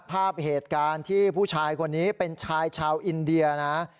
ภาพเหตุการณ์ที่ผู้ชายคนนี้เป็นชายชาวอินเดียนะ